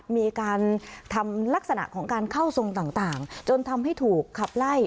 มีการทำลักษณะของการเข้าทรงต่างจนทำให้ถูกขับไล่